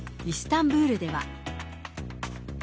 イスタンブールでは。